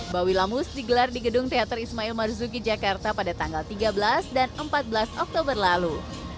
bawi lamus digelar di gedung teater ismail marzuki jakarta pada tanggal tiga belas dan empat belas oktober lalu